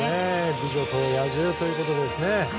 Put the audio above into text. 「美女と野獣」ということですね。